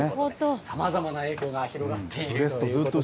さまざまなエコが広がっているということなんです。